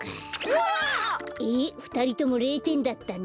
わっ！えふたりとも０点だったの？